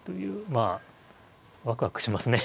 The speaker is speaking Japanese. まあワクワクしますね。